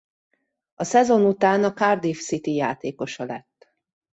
A szezon után a Cardiff City játékosa lett.